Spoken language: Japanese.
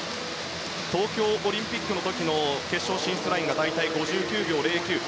東京オリンピックの時の決勝進出ラインが大体５９秒０９。